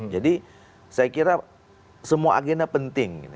jadi saya kira semua agenda penting